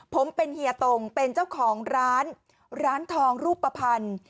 ผมเป็นเฮียตงเป็นเจ้าของร้านร้านทองรูปภัณฑ์